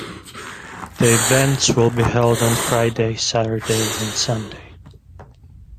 The events will be held on Friday, Saturday and Sunday.